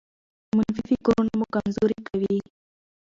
منفي فکرونه مو کمزوري کوي.